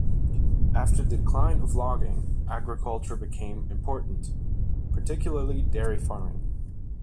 After the decline of logging, agriculture became important - particularly dairy farming.